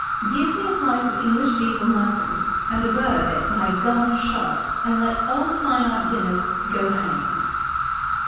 Give me a slice of English beef or mutton, and a bird that my gun has shot, and let all the fine art dinners go hang."